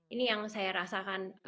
ini yang saya rasakan